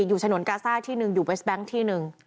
ฉนวนกาซ่าที่หนึ่งอยู่เวสแบงค์ที่หนึ่ง